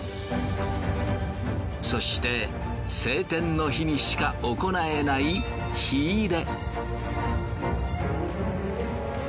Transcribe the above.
そして晴天の日にしか行えない日入れ。